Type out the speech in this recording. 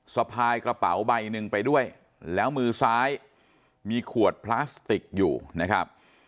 สะพายกระเป๋าใบหนึ่งไปด้วยแล้วมือซ้ายมีขวดพลาสติกอยู่นะครับ